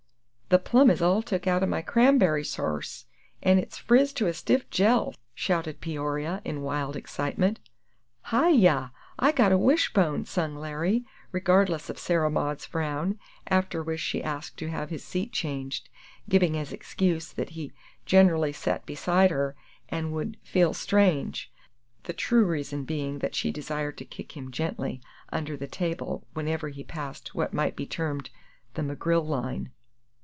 "The plums is all took out o' my cramb'ry sarse, an' it's friz to a stiff jell!" shouted Peoria, in wild excitement. "Hi yah! I got a wish bone!" sung Larry, regardless of Sarah Maud's frown; after which she asked to have his seat changed, giving as excuse that he gen'ally set beside her, an' would "feel strange;" the true reason being that she desired to kick him gently, under the table, whenever he passed what might be termed "the McGrill line."